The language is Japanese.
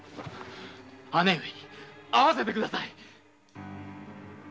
姉上に会わせてください！